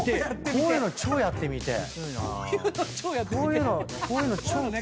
こういうの超やってみてえ。